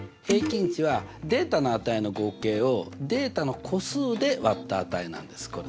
平均値はデータの値の合計をデータの個数で割った値なんです。